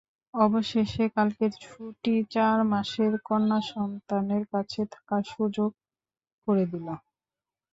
অবশেষে কালকের ছুটি চার মাসের কন্যাসন্তানের কাছে থাকার সুযোগ করে দিল।